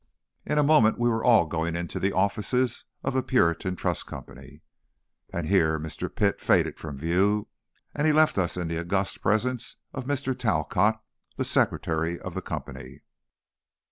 In a moment, we were all going into the offices of the Puritan Trust Company. And here, Mr. Pitt faded from view, and he left us in the august presence of Mr. Talcott, the secretary of the Company.